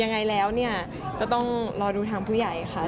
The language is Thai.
ยังไงแล้วเนี่ยก็ต้องรอดูทางผู้ใหญ่ค่ะ